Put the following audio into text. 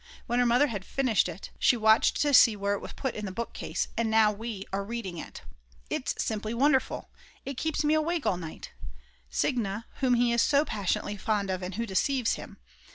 _ When her mother had finished it, she watched to see where it was put in the bookcase, and now we are reading it. It's simply wonderful! It keeps me awake all night; Signe whom he is so passionately fond of and who deceives him.